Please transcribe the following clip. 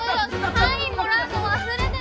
サインもらうの忘れてた。